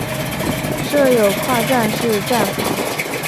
设有跨站式站房。